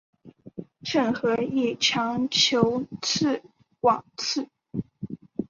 郑和亦尝裔敕往赐。